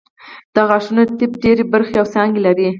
د غاښونو طب ډېرې برخې او څانګې لري